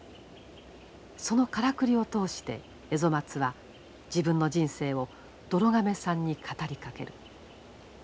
そのからくりを通してエゾマツは自分の人生をどろ亀さんに語りかける。